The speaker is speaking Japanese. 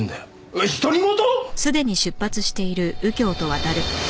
えっ独り言！？